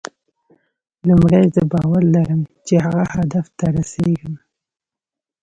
لومړی زه باور لرم چې هغه هدف ته رسېږم.